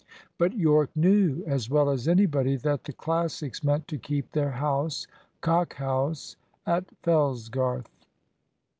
But Yorke knew, as well as anybody, that the Classics meant to keep their house Cock House at Fellsgarth.